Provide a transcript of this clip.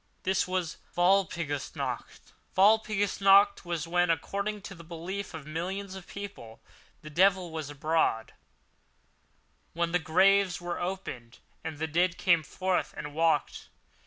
This was Walpurgis Night! Walpurgis Night, when, according to the belief of millions of people, the devil was abroad—when the graves were opened and the dead came forth and walked.